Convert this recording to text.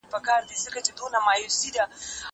زه به اوږده موده سينه سپين کړی وم؟